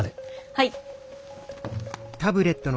はい。